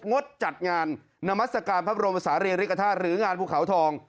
งดจัดงานนามัศกาลพระบรมศาลีริกฐาตุหรืองานภูเขาทอง